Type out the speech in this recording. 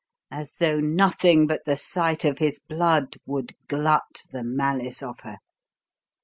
as though nothing but the sight of his blood would glut the malice of her.